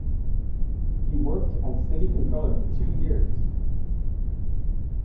He worked as City Controller for two years.